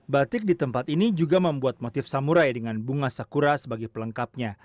batik di tempat ini juga membuat motif samurai dengan bunga sakura sebagai pelengkapnya